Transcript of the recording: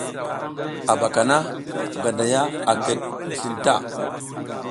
A ɓaka na Ganday a kiɗ mi slin ta.